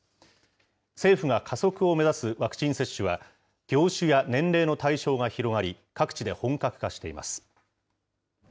政府が加速を目指すワクチン接種は、業種や年齢の対象が広がり、各地で本格化しています。